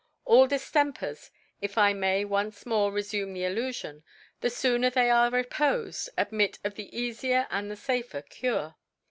All Diftempers, if 1 may once more refume the Allufion, the fooner they are oppofed, ad mit of the eafier and the faftr Cure.